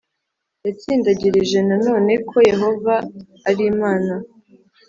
yatsindagirije nanone ko Yehova ari imana